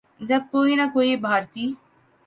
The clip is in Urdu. جب کوئی نہ کوئی بھارتی